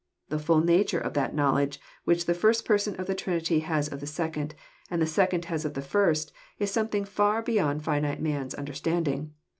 The full nature of that knowledge which the first Person of the Trinity has of the Second, and the Second has of the First, is something far beyond finite man's understanding.